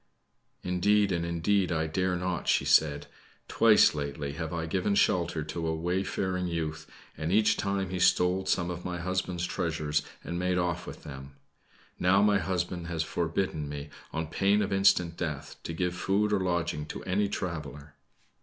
"Indeed and indeed, I dare not," she said. "Twice lately have I given shelter to a wayfaring youth, and each time he stole some of my husband's treasures, and made off with them. Now my husband has forbidden me, on pain of instant death, to give food or lodging to any traveler."